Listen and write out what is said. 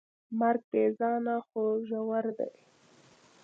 مرګ بېځانه خو ژور دی.